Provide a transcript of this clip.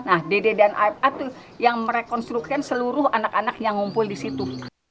nah dede dan aib a itu yang merekonstruksikan seluruh anak anak yang ngumpul di situ